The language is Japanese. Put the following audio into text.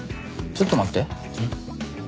ちょっと待って。